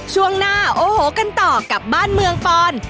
ช่วงหน้าโอ้โหกันต่อกับบ้านเมืองปอน